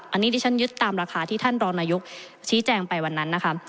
อันนี้ที่ฉันยึดตามราคาที่ท่านรองนายกชี้แจงไปวันนั้นนะคะ